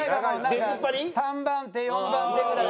３番手４番手ぐらい。